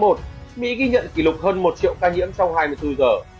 mỹ ghi nhận kỷ lục hơn một triệu ca nhiễm trong hai mươi bốn giờ